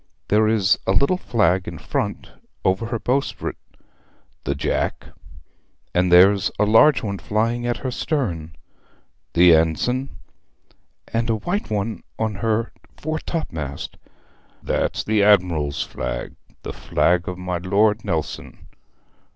'There is a little flag in front over her bowsprit.' 'The jack.' 'And there's a large one flying at her stern.' 'The ensign.' 'And a white one on her fore topmast.' 'That's the admiral's flag, the flag of my Lord Nelson.